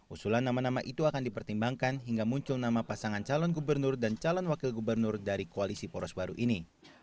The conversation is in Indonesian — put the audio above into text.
usulan nama nama itu akan dipertimbangkan hingga muncul nama pasangan calon gubernur dan calon wakil gubernur dari koalisi poros baru ini